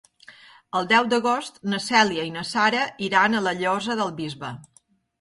El deu d'agost na Cèlia i na Sara iran a la Llosa del Bisbe.